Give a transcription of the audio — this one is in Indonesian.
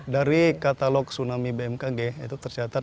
nah oke dari katalog tsunami bmkg itu tercatat